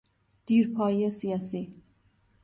دیرپایی سیاسی